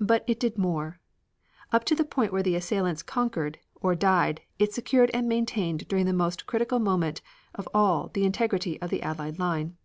But it did more. Up to the point where the assailants conquered, or died, it secured and maintained during the most critical moment of all the integrity of the allied line.